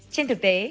trên thực tế